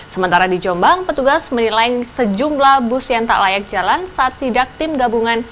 sementara di jombang petugas menilai sejumlah bus yang tak layak jalan saat sidak tim gabungan